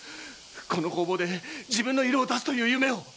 この工房で自分の色を出すという夢を！